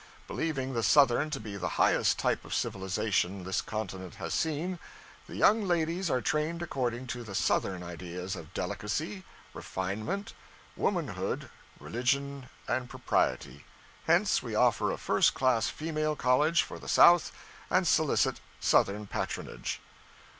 Believing the southern to be the highest type of civilization this continent has seen, the young ladies are trained according to the southern ideas of delicacy, refinement, womanhood, religion, and propriety; hence we offer a first class female college for the south and solicit southern patronage.'